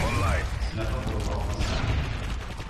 — Shunaqa qo‘rqoqmisan!